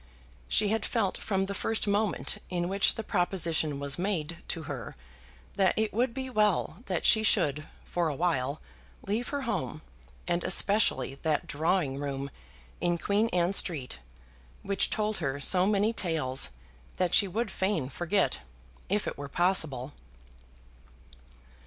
She had felt from the first moment in which the proposition was made to her, that it would be well that she should for a while leave her home, and especially that drawing room in Queen Anne Street, which told her so many tales that she would fain forget, if it were possible.